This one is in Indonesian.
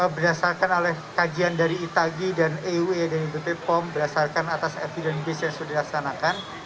berdasarkan kajian dari itagi dan eua dan idp pom berdasarkan atas epidemiologi yang sudah dilaksanakan